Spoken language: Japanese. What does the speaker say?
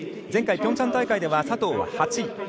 前回ピョンチャン大会では佐藤は８位。